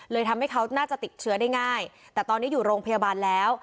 ทำให้เขาน่าจะติดเชื้อได้ง่ายแต่ตอนนี้อยู่โรงพยาบาลแล้ว